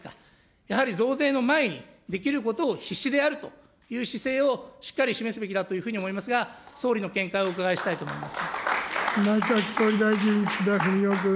やはり増税の前に、できることを必死でやるという姿勢を、しっかり示すべきだというふうに思いますが、総理の見解をお伺いしたいと思います。